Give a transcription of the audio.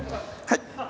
はい。